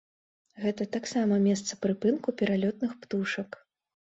Гэта таксама месца прыпынку пералётных птушак.